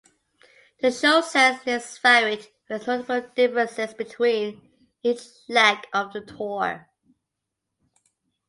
The show's set list varied, with notable differences between each leg of the tour.